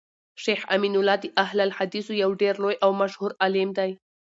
شيخ امین الله د اهل الحديثو يو ډير لوی او مشهور عالم دی